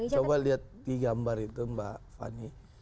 coba lihat di gambar itu mbak fani